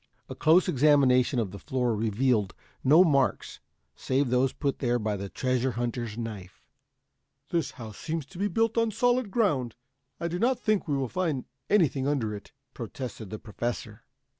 A close examination of the floor revealed no marks save those put there by the treasure hunter's knife. "This house seems to be built on the solid ground. I do not think you will find anything under it," protested the Professor.